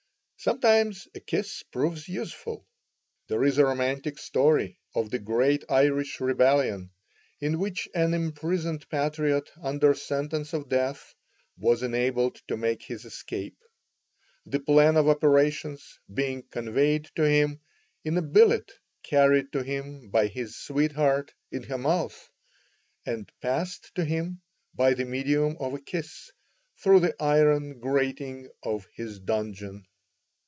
Sometimes a kiss proves useful. There is a romantic story of the great Irish rebellion, in which an imprisoned patriot under sentence of death was enabled to make his escape, the plan of operations being conveyed to him in a billet carried to him by his sweetheart in her mouth, and passed to him by the medium of a kiss through the iron grating of his dungeon.